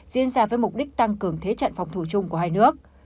diễn ra với mục đích tăng cường thế trận phòng thủ chung của hai nước